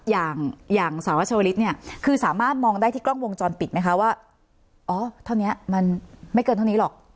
อย่างอย่างสหรัฐชาวลิศเนี่ยคือสามารถมองได้ที่กล้องวงจรปิดไหมคะว่าอ๋อเท่านี้มันไม่เกินเท่านี้หรอก